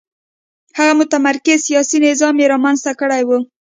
هغه متمرکز سیاسي نظام یې رامنځته کړی و.